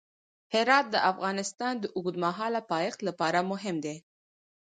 هرات د افغانستان د اوږدمهاله پایښت لپاره مهم دی.